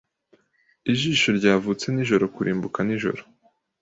Ijisho Ryavutse nijoro kurimbuka nijoro